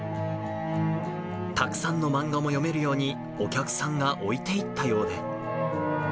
たくさんの漫画も読めるように、お客さんが置いていったようで。